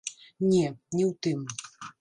Не, не ў тым.